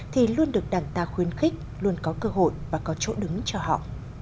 thì luôn được đảng ta khuyến khích luôn có cơ hội và có chỗ đứng cho họ